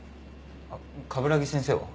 あっ鏑木先生は？